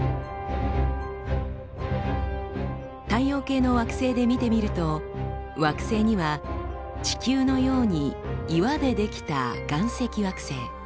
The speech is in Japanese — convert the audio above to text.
太陽系の惑星で見てみると惑星には地球のように岩で出来た「岩石惑星」。